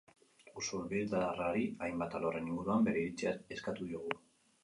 Usurbildarrari hainbat alorren inguruan bere iritzia eskatu diogu.